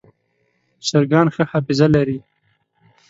چرګان ښه حافظه لري.